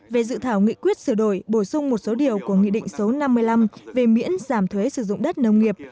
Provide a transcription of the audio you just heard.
về dự thảo nghị quyết sửa đổi bổ sung một số điều của nghị định số năm mươi năm về miễn giảm thuế sử dụng đất nông nghiệp